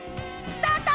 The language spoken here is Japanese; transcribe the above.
スタート！